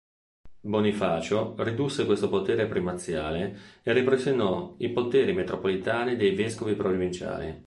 Bonifacio ridusse questo potere primaziale e ripristinò i poteri metropolitani dei vescovi provinciali.